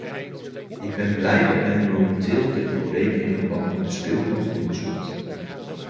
Ik ben blij dat men momenteel dit probleem in verband met speelgoed onderzoekt.